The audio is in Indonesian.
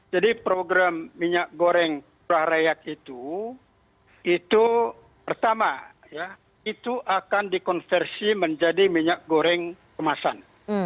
jadi program minyak goreng curah rayak itu itu pertama ya itu akan dikonversi menjadi minyak goreng kemasan